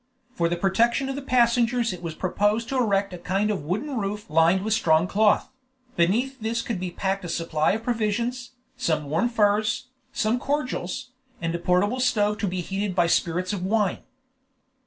For the protection of the passengers it was proposed to erect a kind of wooden roof lined with strong cloth; beneath this could be packed a supply of provisions, some warm furs, some cordials, and a portable stove to be heated by spirits of wine.